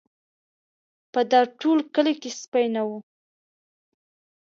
په دا ټول کلي کې سپی نه و.